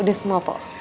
udah semua ya